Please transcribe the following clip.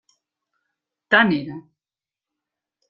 Tant era.